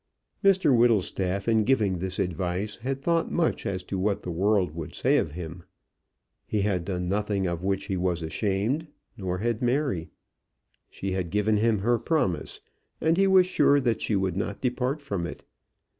Mr Whittlestaff, in giving this advice, had thought much as to what the world would say of him. He had done nothing of which he was ashamed, nor had Mary. She had given him her promise, and he was sure that she would not depart from it.